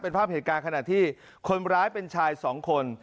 เป็นภาพเหตุการณ์ขณะที่คนร้ายเป็นชายสองคน